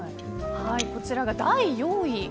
こちらが第４位。